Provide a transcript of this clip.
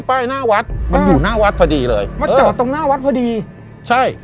ป้ายหน้าวัดมันอยู่หน้าวัดพอดีเลยมาจอดตรงหน้าวัดพอดีใช่